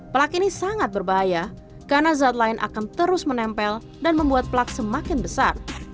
plak ini sangat berbahaya karena zat lain akan terus menempel dan membuat plak semakin besar